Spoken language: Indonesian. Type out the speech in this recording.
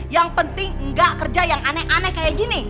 yang penting enggak kerja yang aneh aneh kayak gini